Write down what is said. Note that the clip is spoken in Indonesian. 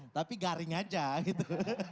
tapi garing aja gitu